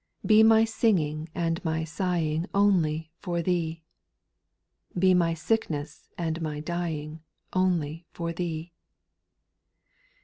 ) 6. Be my singing and my sighing Only for Thee. Be my sickness and my dying Only for Thee.